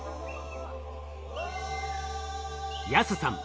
安さん